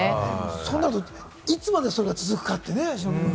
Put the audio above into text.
そうなると、いつまでそれが続くかと言うね。